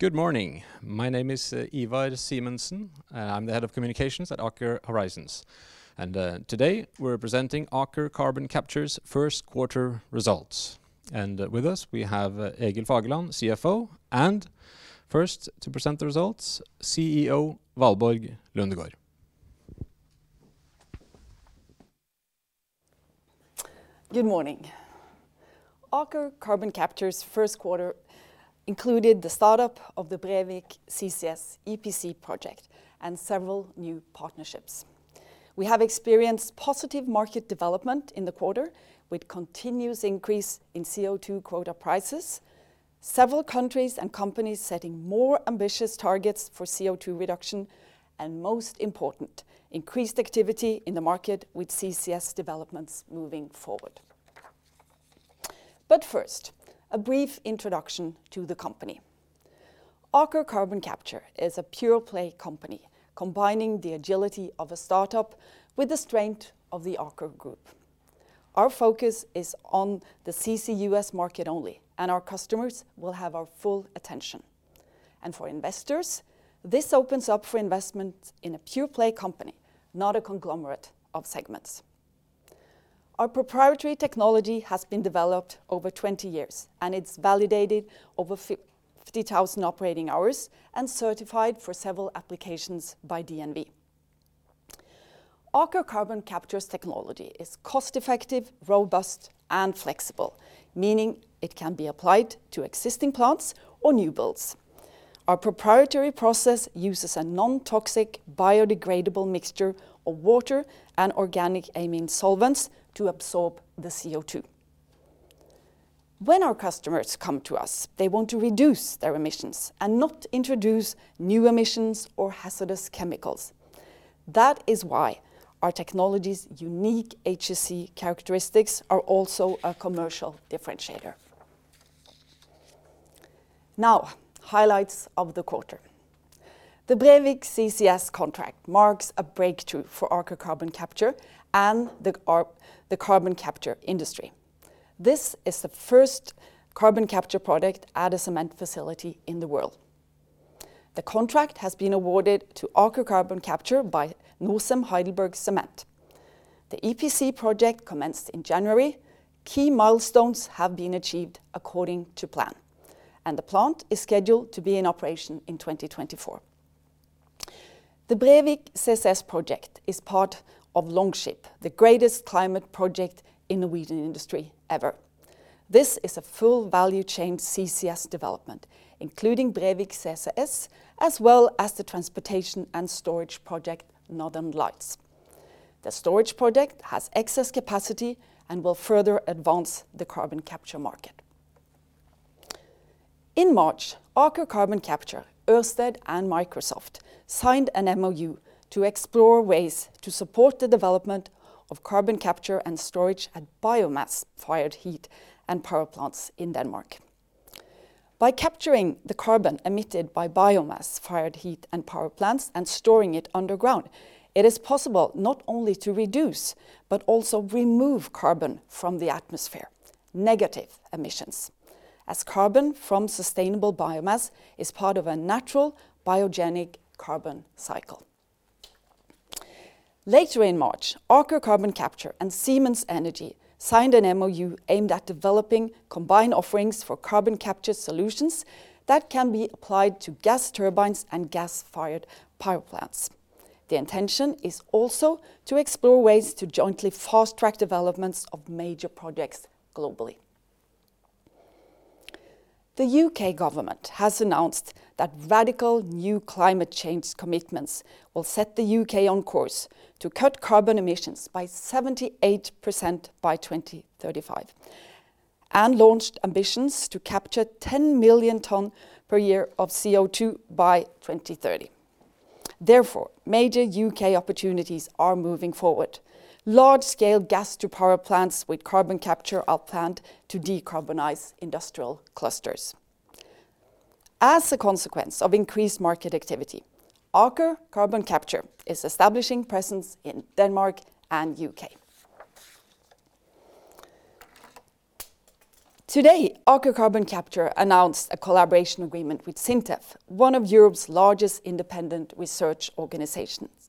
Good morning. My name is Ivar Simensen. I'm the Head of Communications at Aker Horizons. Today we're presenting Aker Carbon Capture's first quarter results. With us, we have Egil Fagerland, CFO, and first to present the results, CEO, Valborg Lundegaard. Good morning. Aker Carbon Capture's first quarter included the start-up of the Brevik CCS EPC project and several new partnerships. We have experienced positive market development in the quarter with continuous increase in CO2 quota prices, several countries and companies setting more ambitious targets for CO2 reduction. Most important, increased activity in the market with CCS developments moving forward. First, a brief introduction to the company. Aker Carbon Capture is a pure-play company, combining the agility of a start-up with the strength of the Aker group. Our focus is on the CCUS market only. Our customers will have our full attention. For investors, this opens up for investment in a pure-play company, not a conglomerate of segments. Our proprietary technology has been developed over 20 years, and it's validated over 50,000 operating hours and certified for several applications by DNV. Aker Carbon Capture's technology is cost-effective, robust, and flexible, meaning it can be applied to existing plants or new builds. Our proprietary process uses a non-toxic, biodegradable mixture of water and organic amine solvents to absorb the CO2. When our customers come to us, they want to reduce their emissions and not introduce new emissions or hazardous chemicals. That is why our technology's unique HSE characteristics are also a commercial differentiator. Highlights of the quarter. The Brevik CCS contract marks a breakthrough for Aker Carbon Capture and the carbon capture industry. This is the first carbon capture project at a cement facility in the world. The contract has been awarded to Aker Carbon Capture by Norcem HeidelbergCement. The EPC project commenced in January. Key milestones have been achieved according to plan, and the plant is scheduled to be in operation in 2024. The Brevik CCS project is part of Longship, the greatest climate project in Norwegian industry ever. This is a full value chain CCS development, including Brevik CCS, as well as the transportation and storage project Northern Lights. The storage project has excess capacity and will further advance the carbon capture market. In March, Aker Carbon Capture, Ørsted, and Microsoft signed an MoU to explore ways to support the development of carbon capture and storage at biomass-fired heat and power plants in Denmark. By capturing the carbon emitted by biomass-fired heat and power plants and storing it underground, it is possible not only to reduce but also remove carbon from the atmosphere, negative emissions, as carbon from sustainable biomass is part of a natural biogenic carbon cycle. Later in March, Aker Carbon Capture and Siemens Energy signed an MoU aimed at developing combined offerings for carbon capture solutions that can be applied to gas turbines and gas-fired power plants. The intention is also to explore ways to jointly fast-track developments of major projects globally. The U.K. government has announced that radical new climate change commitments will set the U.K. on course to cut carbon emissions by 78% by 2035, and launched ambitions to capture 10 million tonnes per year of CO2 by 2030. Therefore, major U.K. opportunities are moving forward. Large-scale gas to power plants with carbon capture are planned to decarbonize industrial clusters. As a consequence of increased market activity, Aker Carbon Capture is establishing presence in Denmark and U.K. Today, Aker Carbon Capture announced a collaboration agreement with SINTEF, one of Europe's largest independent research organizations.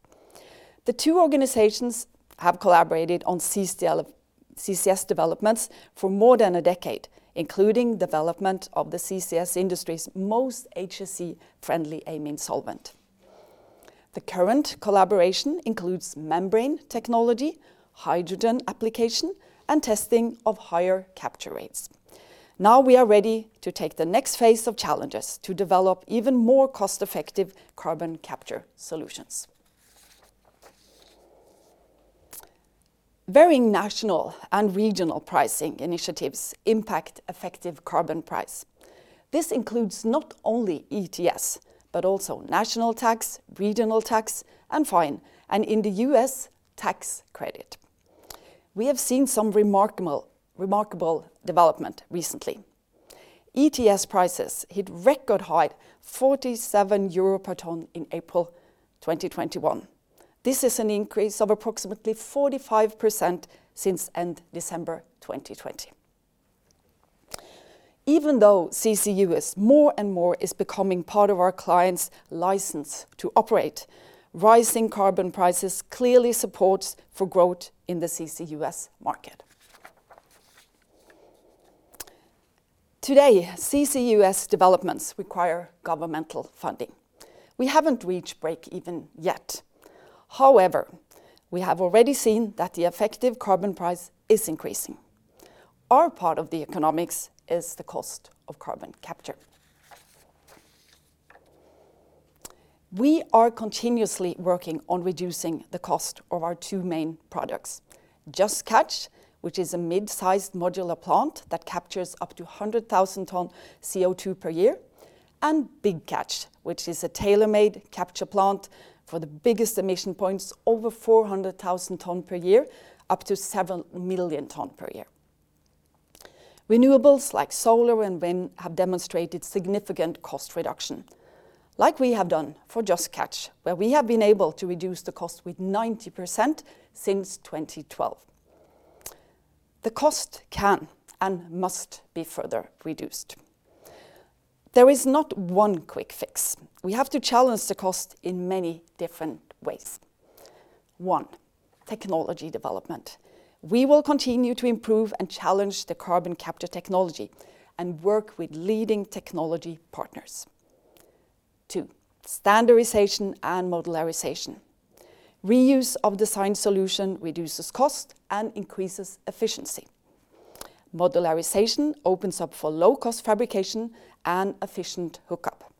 The two organizations have collaborated on CCS developments for more than a decade, including development of the CCS industry's most HSE-friendly amine solvent. The current collaboration includes membrane technology, hydrogen application, and testing of higher capture rates. We are ready to take the next phase of challenges to develop even more cost-effective carbon capture solutions. Varying national and regional pricing initiatives impact effective carbon price. This includes not only ETS, but also national tax, regional tax, and fine, and in the U.S., tax credit. We have seen some remarkable development recently. ETS prices hit record high 47 euro per tonne in April 2021. This is an increase of approximately 45% since end December 2020. Even though CCUS more and more is becoming part of our clients' license to operate, rising carbon prices clearly supports for growth in the CCUS market. Today, CCUS developments require governmental funding. We haven't reached break-even yet. However, we have already seen that the effective carbon price is increasing. Our part of the economics is the cost of carbon capture. We are continuously working on reducing the cost of our two main products: Just Catch, which is a mid-sized modular plant that captures up to 100,000 tonne CO2 per year, and Big Catch, which is a tailor-made capture plant for the biggest emission points, over 400,000 tonne per year, up to 7 million tonne per year. Renewables like solar and wind have demonstrated significant cost reduction, like we have done for Just Catch, where we have been able to reduce the cost with 90% since 2012. The cost can and must be further reduced. There is not one quick fix. We have to challenge the cost in many different ways. One, technology development. We will continue to improve and challenge the carbon capture technology and work with leading technology partners. Two, standardization and modularization. Reuse of design solution reduces cost and increases efficiency. Modularization opens up for low-cost fabrication and efficient hookup.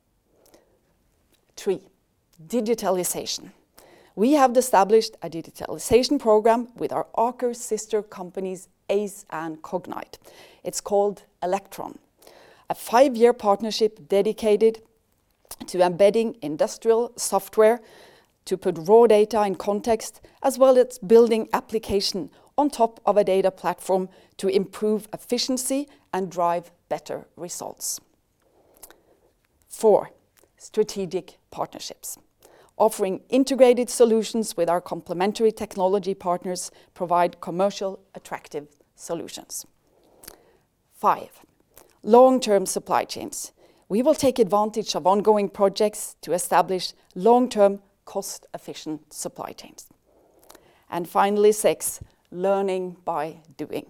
Three, digitalization. We have established a digitalization program with our Aker sister companies, Aize and Cognite. It's called Electron, a five-year partnership dedicated to embedding industrial software to put raw data in context, as well as building application on top of a data platform to improve efficiency and drive better results. Four, strategic partnerships. Offering integrated solutions with our complementary technology partners provide commercial attractive solutions. Five, long-term supply chains. We will take advantage of ongoing projects to establish long-term, cost-efficient supply chains. Finally, six, learning by doing.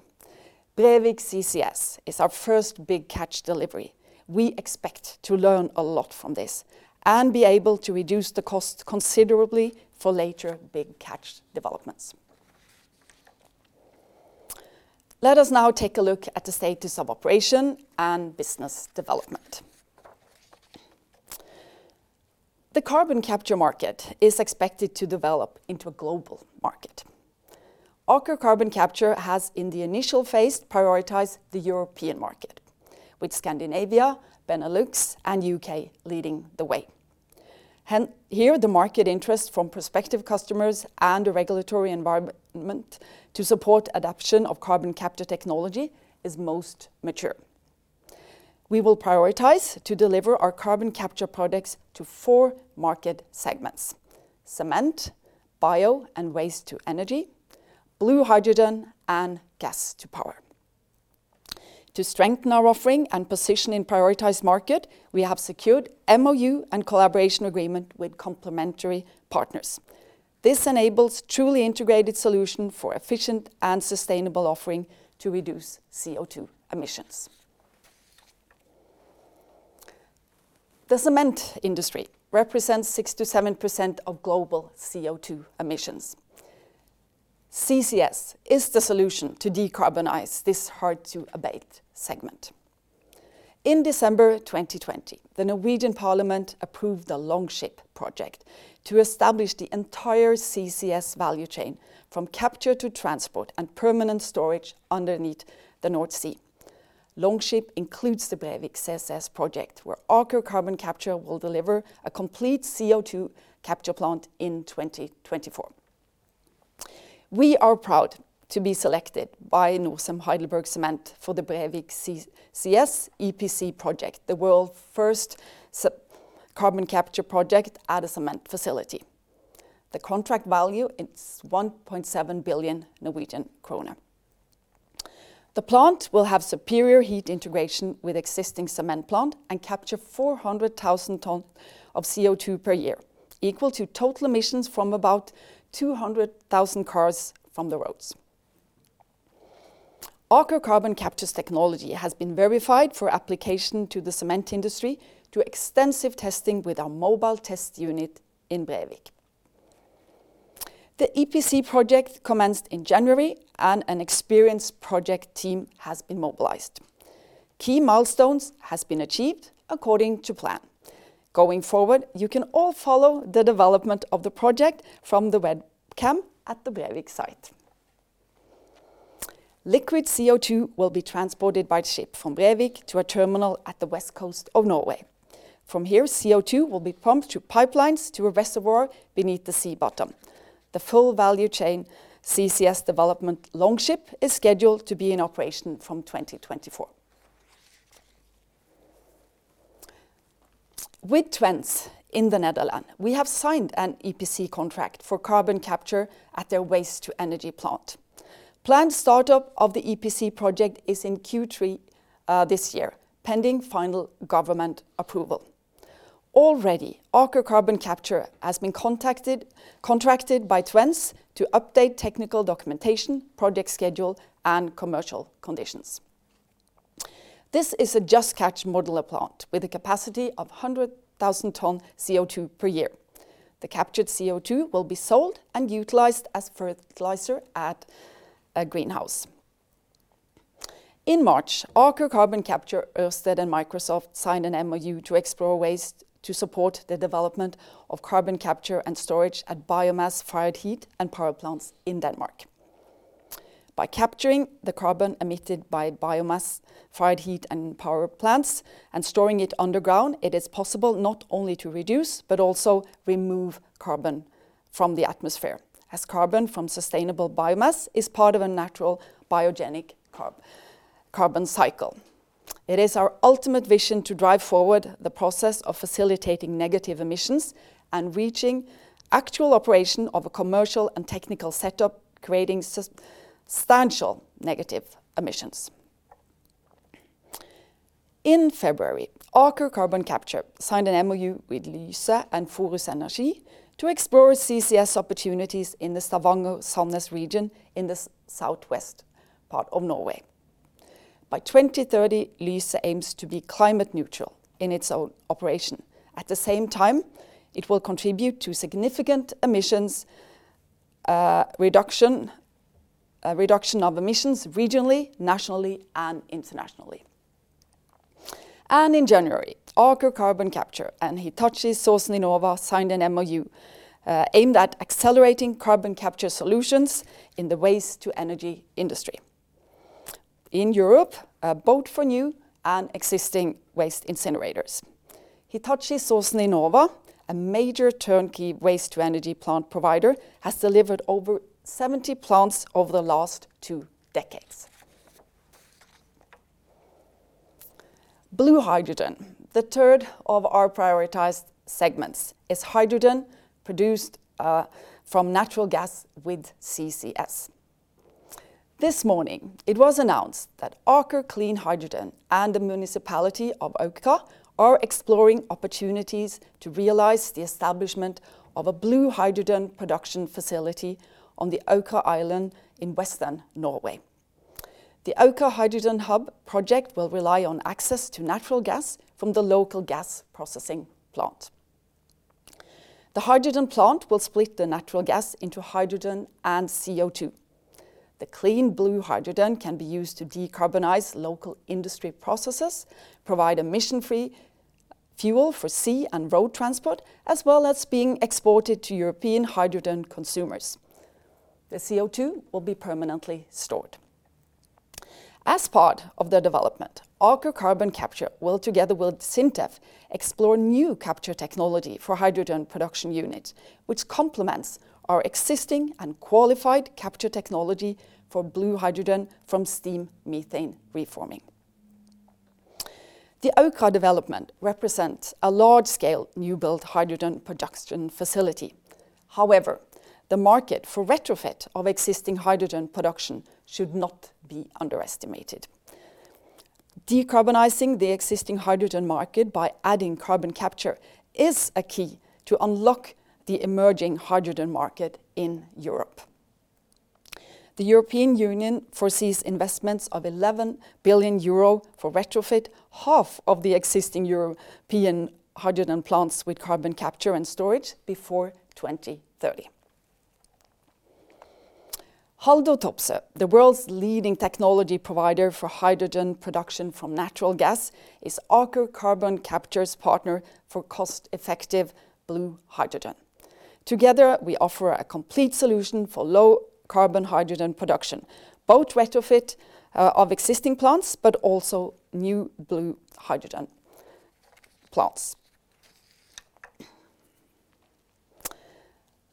Brevik CCS is our first Big Catch delivery. We expect to learn a lot from this and be able to reduce the cost considerably for later Big Catch developments. Let us now take a look at the status of operation and business development. The carbon capture market is expected to develop into a global market. Aker Carbon Capture has, in the initial phase, prioritized the European market, with Scandinavia, Benelux, and U.K. leading the way. Here, the market interest from prospective customers and the regulatory environment to support adoption of carbon capture technology is most mature. We will prioritize to deliver our carbon capture products to four market segments: cement, bio and waste-to-energy, blue hydrogen, and gas to power. To strengthen our offering and position in prioritized market, we have secured MOU and collaboration agreement with complementary partners. This enables truly integrated solution for efficient and sustainable offering to reduce CO2 emissions. The cement industry represents 6%-7% of global CO2 emissions. CCS is the solution to decarbonize this hard-to-abate segment. In December 2020, the Norwegian Parliament approved the Longship project to establish the entire CCS value chain, from capture to transport and permanent storage underneath the North Sea. Longship includes the Brevik CCS project, where Aker Carbon Capture will deliver a complete CO2 capture plant in 2024. We are proud to be selected by Norcem HeidelbergCement for the Brevik CCS EPC project, the world's first carbon capture project at a cement facility. The contract value, it's 1.7 billion Norwegian kroner. The plant will have superior heat integration with existing cement plant and capture 400,000 tonne of CO2 per year, equal to total emissions from about 200,000 cars from the roads. Aker Carbon Capture's technology has been verified for application to the cement industry through extensive testing with our mobile test unit in Brevik. The EPC project commenced in January, and an experienced project team has been mobilized. Key milestones has been achieved according to plan. Going forward, you can all follow the development of the project from the webcam at the Brevik site. Liquid CO2 will be transported by ship from Brevik to a terminal at the West Coast of Norway. From here, CO2 will be pumped through pipelines to a reservoir beneath the sea bottom. The full value chain CCS development Longship is scheduled to be in operation from 2024. With Twence in the Netherlands, we have signed an EPC contract for carbon capture at their waste-to-energy plant. Planned startup of the EPC project is in Q3 this year, pending final government approval. Already, Aker Carbon Capture has been contracted by Twence to update technical documentation, project schedule, and commercial conditions. This is a Just Catch modular plant with a capacity of 100,000 tonnes CO2 per year. The captured CO2 will be sold and utilized as fertilizer at a greenhouse. In March, Aker Carbon Capture, Ørsted, and Microsoft signed an MoU to explore ways to support the development of carbon capture and storage at biomass-fired heat and power plants in Denmark. By capturing the carbon emitted by biomass-fired heat and power plants and storing it underground, it is possible not only to reduce but also remove carbon from the atmosphere, as carbon from sustainable biomass is part of a natural biogenic carbon cycle. It is our ultimate vision to drive forward the process of facilitating negative emissions and reaching actual operation of a commercial and technical setup, creating substantial negative emissions. In February, Aker Carbon Capture signed an MoU with Lyse and Forus Energi to explore CCS opportunities in the Stavanger-Sandnes region in the Southwest part of Norway. By 2030, Lyse aims to be climate neutral in its own operation. At the same time, it will contribute to significant reduction of emissions regionally, nationally, and internationally. In January, Aker Carbon Capture and Hitachi Zosen Inova signed an MoU aimed at accelerating carbon capture solutions in the waste-to-energy industry. In Europe, both for new and existing waste incinerators. Hitachi Zosen Inova, a major turnkey waste-to-energy plant provider, has delivered over 70 plants over the last two decades. Blue hydrogen, the third of our prioritized segments, is hydrogen produced from natural gas with CCS. This morning it was announced that Aker Clean Hydrogen and the Municipality of Aukra are exploring opportunities to realize the establishment of a blue hydrogen production facility on the Aukra Island in western Norway. The Aukra Hydrogen Hub project will rely on access to natural gas from the local gas processing plant. The hydrogen plant will split the natural gas into hydrogen and CO2. The clean blue hydrogen can be used to decarbonize local industry processes, provide emission-free fuel for sea and road transport, as well as being exported to European hydrogen consumers. The CO2 will be permanently stored. As part of the development, Aker Carbon Capture will, together with SINTEF, explore new capture technology for hydrogen production units, which complements our existing and qualified capture technology for blue hydrogen from steam methane reforming. The Aukra development represents a large-scale new build hydrogen production facility. However, the market for retrofit of existing hydrogen production should not be underestimated. Decarbonizing the existing hydrogen market by adding carbon capture is a key to unlock the emerging hydrogen market in Europe. The European Union foresees investments of 11 billion euro for retrofit half of the existing European hydrogen plants with carbon capture and storage before 2030. Haldor Topsoe, the world's leading technology provider for hydrogen production from natural gas, is Aker Carbon Capture's partner for cost-effective blue hydrogen. Together, we offer a complete solution for low-carbon hydrogen production, both retrofit of existing plants but also new blue hydrogen plants.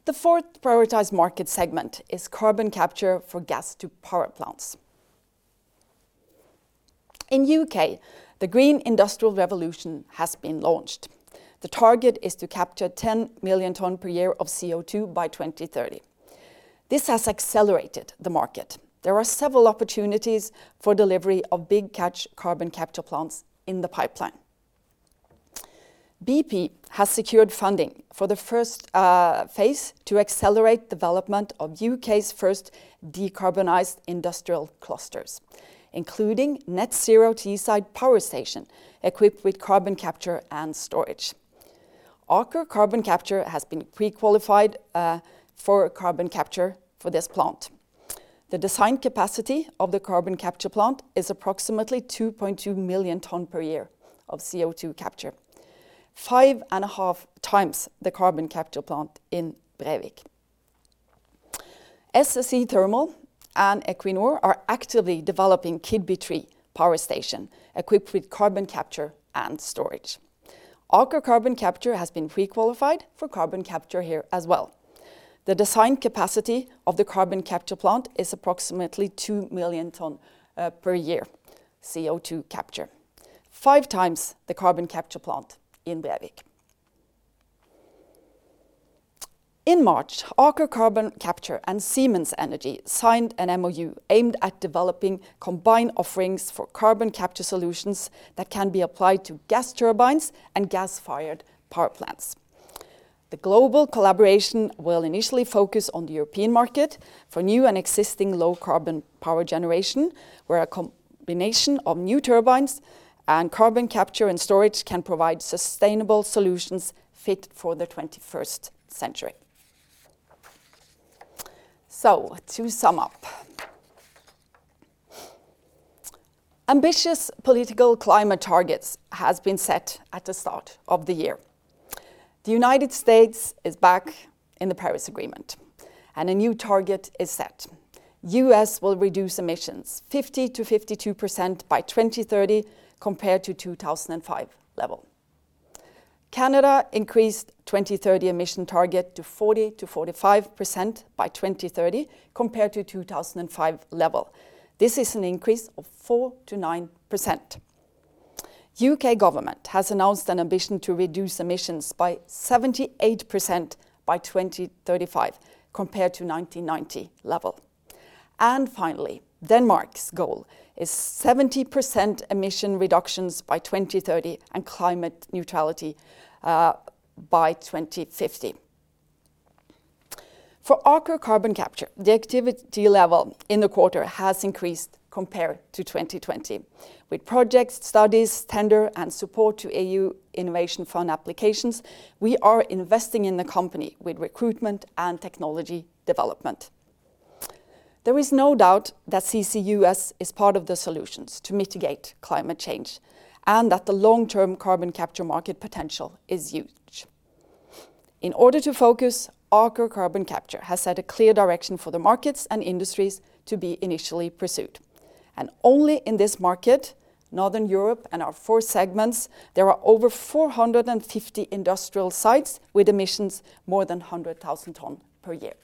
The fourth prioritized market segment is carbon capture for gas-to-power plants. In U.K., the green industrial revolution has been launched. The target is to capture 10 million tonnes per year of CO2 by 2030. This has accelerated the market. There are several opportunities for delivery of Big Catch carbon capture plants in the pipeline. BP has secured funding for the first phase to accelerate development of U.K.'s first decarbonized industrial clusters, including Net Zero Teesside power station, equipped with carbon capture and storage. Aker Carbon Capture has been pre-qualified for carbon capture for this plant. The design capacity of the carbon capture plant is approximately 2.2 million tonnes per year of CO2 capture, 5.5x the carbon capture plant in Brevik. SSE Thermal and Equinor are actively developing Keadby 3 power station, equipped with carbon capture and storage. Aker Carbon Capture has been pre-qualified for carbon capture here as well. The design capacity of the carbon capture plant is approximately 2 million tonnes per year CO2 capture, 5x the carbon capture plant in Brevik. In March, Aker Carbon Capture and Siemens Energy signed an MoU aimed at developing combined offerings for carbon capture solutions that can be applied to gas turbines and gas-fired power plants. The global collaboration will initially focus on the European market for new and existing low-carbon power generation, where a combination of new turbines and carbon capture and storage can provide sustainable solutions fit for the 21st century. To sum up, ambitious political climate targets have been set at the start of the year. The U.S. is back in the Paris Agreement, and a new target is set. U.S. will reduce emissions 50%-52% by 2030 compared to 2005 level. Canada increased 2030 emission target to 40%-45% by 2030 compared to 2005 level. This is an increase of 4%-9%. U.K. government has announced an ambition to reduce emissions by 78% by 2035 compared to 1990 level. Finally, Denmark's goal is 70% emission reductions by 2030 and climate neutrality by 2050. For Aker Carbon Capture, the activity level in the quarter has increased compared to 2020. With project studies, tender, and support to EU Innovation Fund applications, we are investing in the company with recruitment and technology development. There is no doubt that CCUS is part of the solutions to mitigate climate change and that the long-term carbon capture market potential is huge. In order to focus, Aker Carbon Capture has set a clear direction for the markets and industries to be initially pursued. Only in this market, Northern Europe, and our four segments, there are over 450 industrial sites with emissions more than 100,000 tonnes per year.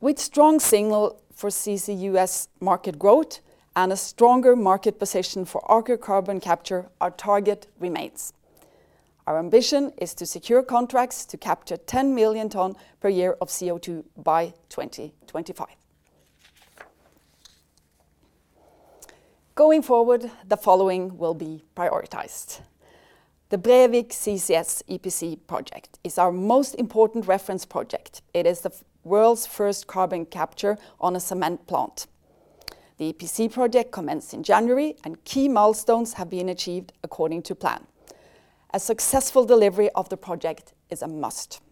With strong signal for CCUS market growth and a stronger market position for Aker Carbon Capture, our target remains. Our ambition is to secure contracts to capture 10 million tonnes per year of CO2 by 2025. Going forward, the following will be prioritized. The Brevik CCS EPC project is our most important reference project. It is the world's first carbon capture on a cement plant. The EPC project commenced in January, and key milestones have been achieved according to plan. A successful delivery of the project is a must.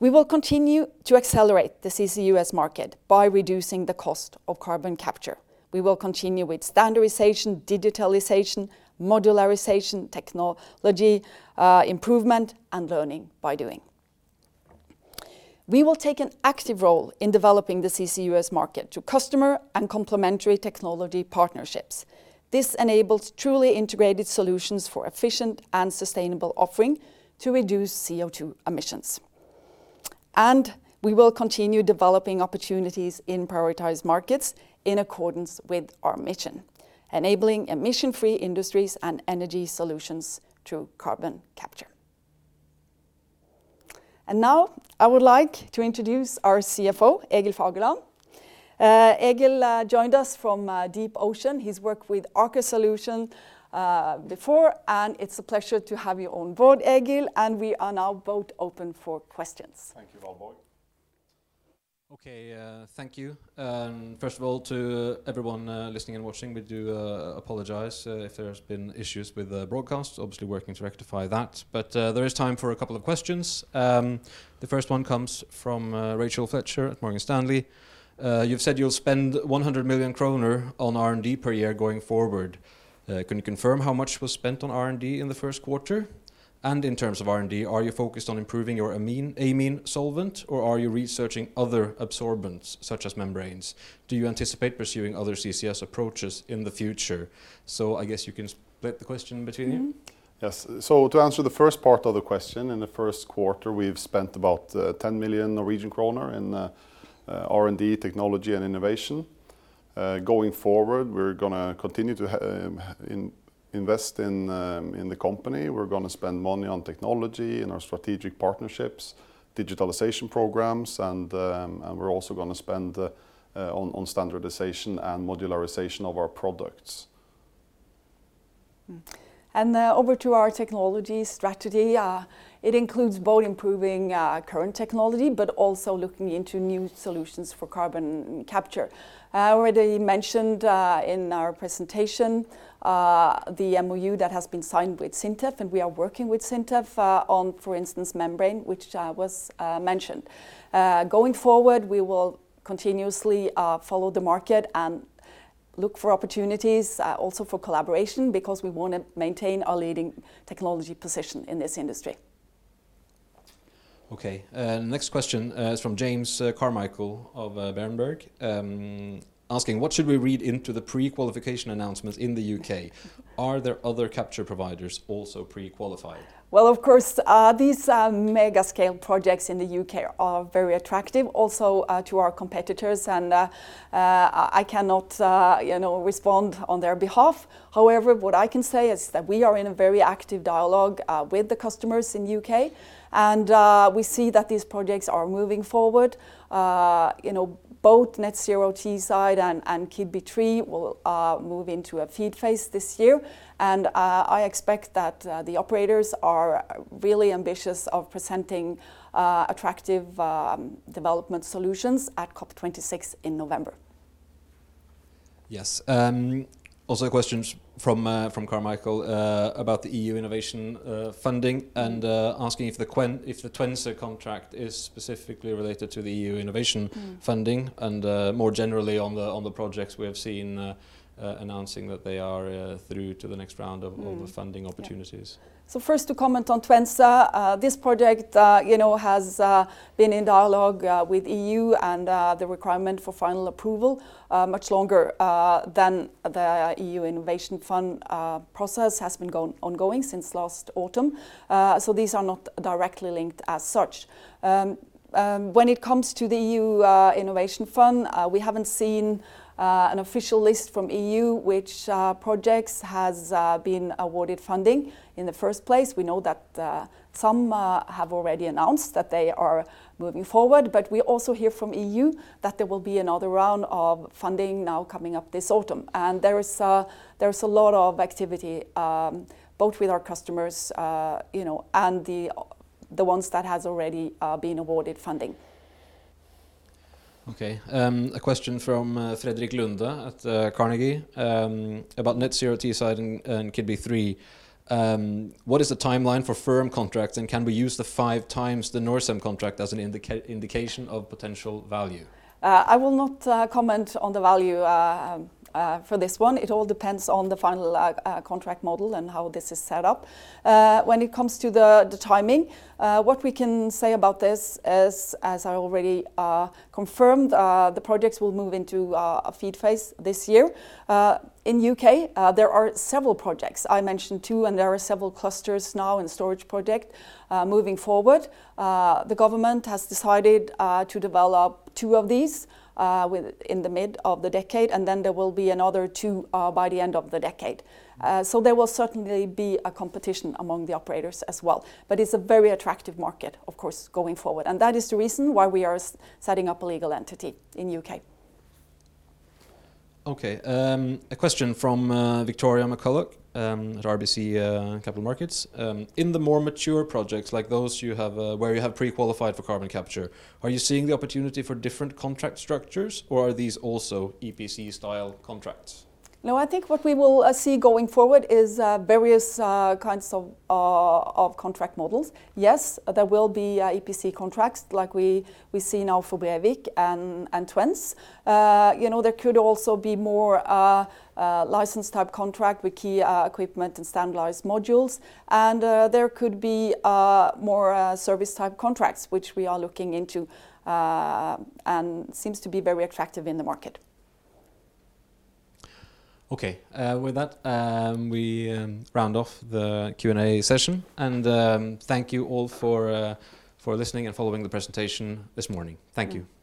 We will continue to accelerate the CCUS market by reducing the cost of carbon capture. We will continue with standardization, digitalization, modularization, technology improvement, and learning by doing. We will take an active role in developing the CCUS market through customer and complementary technology partnerships. This enables truly integrated solutions for efficient and sustainable offering to reduce CO2 emissions. We will continue developing opportunities in prioritized markets in accordance with our mission, enabling emission-free industries and energy solutions through carbon capture. Now I would like to introduce our CFO, Egil Fagerland. Egil joined us from DeepOcean. He has worked with Aker Solutions before, and it is a pleasure to have you on board, Egil, and we are now both open for questions. Thank you, Valborg. Okay, thank you. First of all, to everyone listening and watching, we do apologize if there's been issues with the broadcast. Working to rectify that, but there is time for a couple of questions. The first one comes from Rachel Fletcher at Morgan Stanley. You've said you'll spend 100 million kroner on R&D per year going forward. Can you confirm how much was spent on R&D in the first quarter? In terms of R&D, are you focused on improving your amine solvent, or are you researching other absorbents, such as membranes? Do you anticipate pursuing other CCS approaches in the future? I guess you can split the question between you. Yes. To answer the first part of the question, in the first quarter, we've spent about 10 million Norwegian kroner in R&D, technology, and innovation. Going forward, we're going to continue to invest in the company. We're going to spend money on technology, in our strategic partnerships, digitalization programs, and we're also going to spend on standardization and modularization of our products. Over to our technology strategy. It includes both improving current technology but also looking into new solutions for carbon capture. I already mentioned in our presentation, the MoU that has been signed with SINTEF, and we are working with SINTEF on, for instance, membrane, which was mentioned. Going forward, we will continuously follow the market and look for opportunities also for collaboration because we want to maintain our leading technology position in this industry. Okay. Next question is from James Carmichael of Berenberg, asking, what should we read into the pre-qualification announcements in the U.K.? Are there other capture providers also pre-qualified? Well, of course, these mega-scale projects in the U.K. are very attractive also to our competitors, and I cannot respond on their behalf. However, what I can say is that we are in a very active dialogue with the customers in U.K., and we see that these projects are moving forward. Both Net Zero Teesside and Keadby 3 will move into a FEED phase this year, and I expect that the operators are really ambitious of presenting attractive development solutions at COP26 in November. Yes. Also a question from Carmichael about the EU Innovation Fund and asking if the Twence contract is specifically related to the EU Innovation Fund and more generally on the projects we have seen announcing that they are through to the next round of all the funding opportunities. First to comment on Twence. This project has been in dialogue with EU and the requirement for final approval much longer than the EU Innovation Fund process has been ongoing since last autumn. These are not directly linked as such. When it comes to the EU Innovation Fund, we haven't seen an official list from EU which projects has been awarded funding in the first place. We know that some have already announced that they are moving forward. We also hear from EU that there will be another round of funding now coming up this autumn. There is a lot of activity both with our customers and the ones that has already been awarded funding. Okay. A question from Frederik Lunde at Carnegie about Net Zero Teesside and Keadby 3. What is the timeline for firm contracts, and can we use the five times the Norcem contract as an indication of potential value? I will not comment on the value for this one. It all depends on the final contract model and how this is set up. When it comes to the timing, what we can say about this is, as I already confirmed, the projects will move into a FEED phase this year. In U.K., there are several projects. I mentioned two, and there are several clusters now in storage project moving forward. The government has decided to develop two of these in the mid of the decade, and then there will be another two by the end of the decade. There will certainly be a competition among the operators as well. It's a very attractive market, of course, going forward. That is the reason why we are setting up a legal entity in U.K. Okay. A question from Victoria McCulloch at RBC Capital Markets. In the more mature projects like those where you have pre-qualified for carbon capture, are you seeing the opportunity for different contract structures, or are these also EPC-style contracts? No, I think what we will see going forward is various kinds of contract models. Yes, there will be EPC contracts like we see now for Brevik and Twence. There could also be more license-type contract with key equipment and standardized modules. There could be more service-type contracts, which we are looking into and seems to be very attractive in the market. Okay. With that, we round off the Q&A session. Thank you all for listening and following the presentation this morning. Thank you. Thank you.